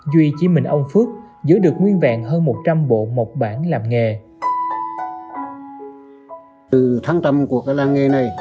duy chỉ mình ông phước giữ được nguyên vẹn